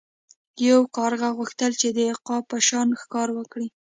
یو کارغه غوښتل چې د عقاب په شان ښکار وکړي.